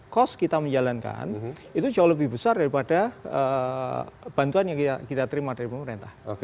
cost kita menjalankan itu jauh lebih besar daripada bantuan yang kita terima dari pemerintah